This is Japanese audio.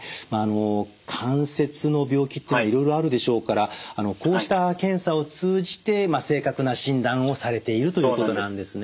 関節の病気というのはいろいろあるでしょうからこうした検査を通じて正確な診断をされているということなんですね。